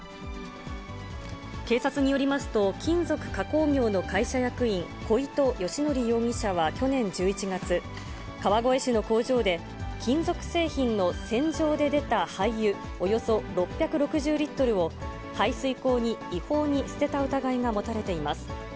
警察によりますと、金属加工業の会社役員、小糸佳工容疑者は去年１１月、川越市の工場で金属製品の洗浄で出た廃油およそ６６０リットルを、排水口に違法に捨てた疑いが持たれています。